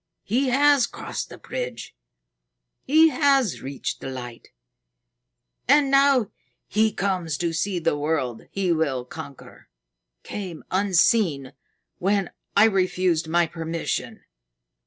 He has crossed the bridge. He has reached the Light. And now he comes to see the world he will conquer came unseen when I refused my permission."